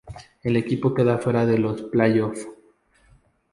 El equipo queda fuera de los playoffs.